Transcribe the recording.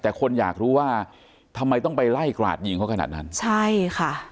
แต่คนอยากรู้ว่าทำไมต้องไปไล่กราดยิงเขาขนาดนั้นใช่ค่ะ